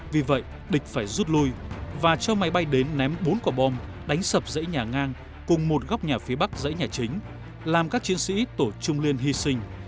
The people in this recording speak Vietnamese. vì vậy địch phải rút lui và cho máy bay đến ném bốn quả bom đánh sập dãy nhà ngang cùng một góc nhà phía bắc dãy nhà chính làm các chiến sĩ tổ trung liên hy sinh